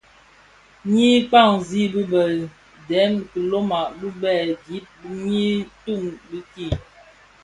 Ňyi kabsi bë bëë dèm bilona bibèè gib nyi tum dhiki.